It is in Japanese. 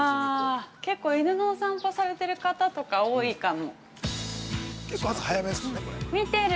結構、犬のお散歩されてる方とか多いかも。